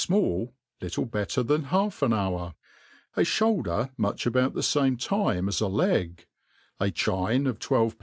fmall, {ittle better* than half an hour; a fhoul der much about the fame 'time as ra leg; a chine of twelve